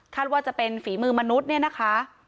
ว่าจะเป็นฝีมือมนุษย์เนี่ยนะคะ